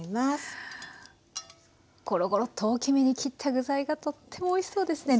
ゴロゴロッと大きめに切った具材がとってもおいしそうですね。